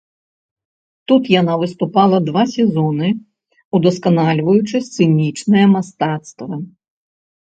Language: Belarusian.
Тут яна выступала два сезоны, удасканальваючы сцэнічнае мастацтва.